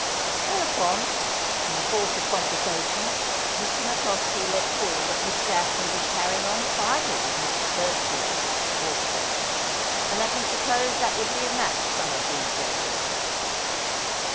"Whereupon, in the course of conversation, Mr. MacCloskie let fall that Miss Daphne was carrying on finely with Mr. Turchill, of Hawksyard, and that he supposed that would be a match some of these days.